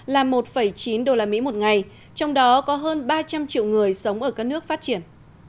là một chín đô la mỹ một ngày trong đó có hơn ba trăm linh triệu người sống ở các nước phát triển